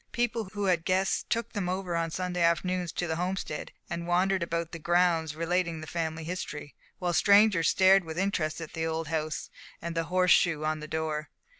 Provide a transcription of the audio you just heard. People who had guests took them over on Sunday afternoons to the Homestead, and wandered about the grounds relating the family history, while the strangers stared with interest at the old house, and the horse shoe on the door.